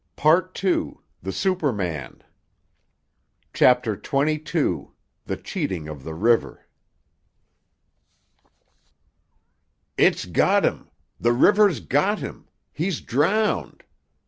PART TWO: THE SUPERMAN CHAPTER XXII—THE CHEATING OF THE RIVER "It's got him! The river's got him. He's drowned!